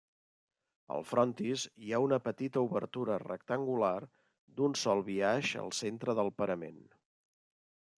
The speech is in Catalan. Al frontis hi ha una petita obertura rectangular d'un sol biaix al centre del parament.